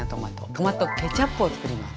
トマトケチャップをつくります。